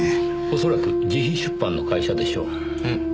おそらく自費出版の会社でしょう。